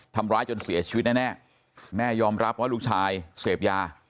ทำร้ายจนเสียชีวิตแน่แม่ยอมรับว่าลูกชายเสพยา